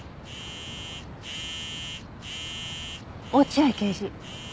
落合刑事。